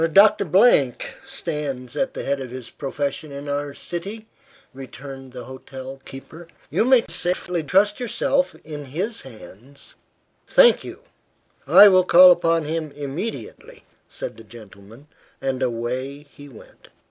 "Doctor stands at the head of his profession in our city," returned the hotel keeper. "You may safely trust yourself in his hands." "Thank you. I will call upon him immediately," said the gentleman, and away he went.